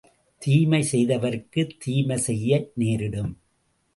தீமை செய்தவருக்குத் தீமை செய்ய நேரிடும்.